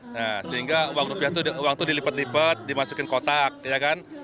nah sehingga uang rupiah itu uang itu dilipat lipat dimasukin kotak ya kan